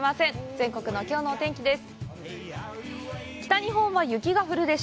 全国のきょうのお天気です。